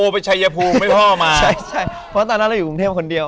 เพราะคุณต้องอยู่ตรงบรุงเทพคนเดียว